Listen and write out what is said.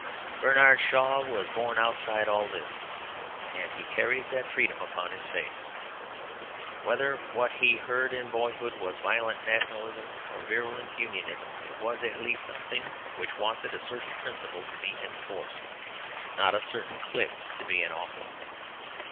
Bernard Shaw was born outside all this; and he carries that freedom upon his face. Whether what he heard in boyhood was violent Nationalism or virulent Unionism, it was at least something which wanted a certain principle to be in force, not a certain clique to be in office.